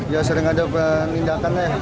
ya sering ada penindakan lah ya